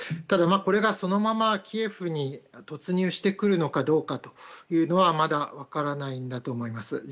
ただ、これがそのままキエフに突入してくるかどうかはまだ分からないんだと思います。